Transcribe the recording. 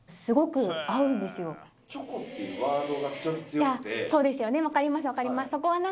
いやそうですよね。